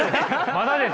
まだです。